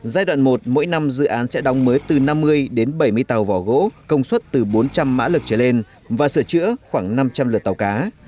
giai đoạn một mỗi năm dự án sẽ đóng mới từ năm mươi đến bảy mươi tàu vỏ gỗ công suất từ bốn trăm linh mã lực trở lên và sửa chữa khoảng năm trăm linh lượt tàu cá